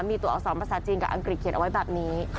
มีตัวอักษรภาษาจีนกับอังกฤษเขียนเอาไว้แบบนี้